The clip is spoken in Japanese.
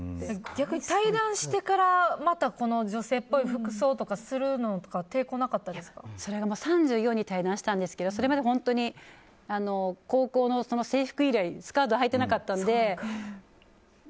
逆に退団してからまた女性っぽい服装とかするの３４で退団したんですがそれまで本当に高校の制服以来スカートはいてなかったので。